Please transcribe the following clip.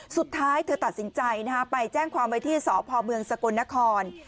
สุดท้ายเธอตัดสินใจนะครับไปแจ้งความวัยที่สภเมืองสกุลนคร